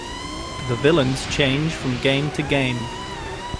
The villains change from game to game.